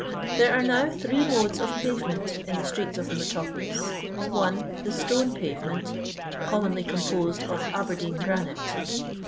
Theub are now three modes of pavement in the streets of the metropolis. 1. The stone pavement (oommimly composed of Aberdeen granite).